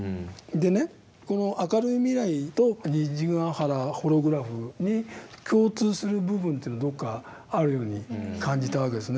でねこの「アカルイミライ」と「虹ヶ原ホログラフ」に共通する部分というのどっかあるように感じたわけですね。